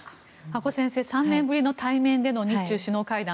阿古先生３年ぶりの対面での日中首脳会談。